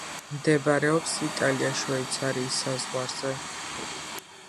მდებარეობს იტალია-შვეიცარიის საზღვარზე.